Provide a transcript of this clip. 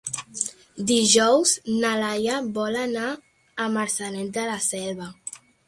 Dijous na Laia vol anar a Maçanet de la Selva.